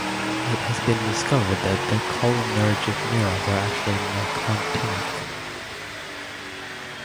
It has been discovered that the cholinergic neurons are actually nicotinic.